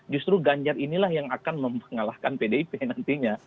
justru ganjar inilah yang akan mengalahkan pdip nantinya